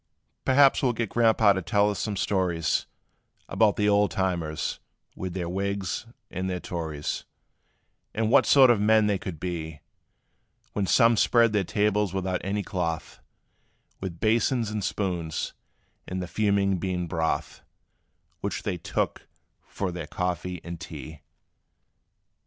"Perhaps we 'll get Grandpa' to tell us some stories About the old times, with their Wigs and their Tories; And what sort of men they could be; When some spread their tables without any cloth, With basins and spoons, and the fuming bean broth Which they took for their coffee and tea.